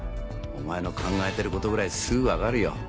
お前の考えてることぐらいすぐわかるよ。